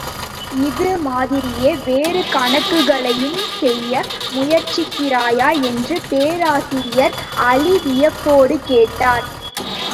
இது மாதிரியே வேறு கணக்குகளையும் செய்ய முயற்சிக்கிறாயா? என்று பேராசிரியர் அலி வியப்போடு கேட்டார்.